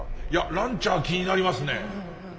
ランチャー気になりますね。